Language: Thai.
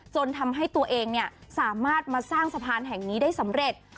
จนทำให้ตัวเองสามารถมาสร้างสะพานแห่งนี้ได้สำเร็จ